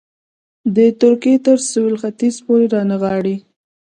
د ترکیې تر سوېل ختیځ پورې رانغاړي.